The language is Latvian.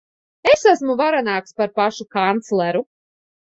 Es esmu varenāks par pašu kancleru.